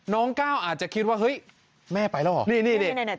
ก้าวอาจจะคิดว่าเฮ้ยแม่ไปแล้วเหรอ